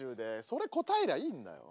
それ答えりゃいいんだよ。